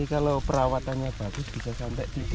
ini kalau perawatannya bagus tiga sampai lima pak